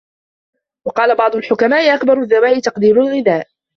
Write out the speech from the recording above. وَقَالَ بَعْضُ الْحُكَمَاءِ أَكْبَرُ الدَّوَاءِ تَقْدِيرُ الْغِذَاءِ